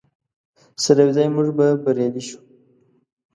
سره یوځای موږ به بریالي شو.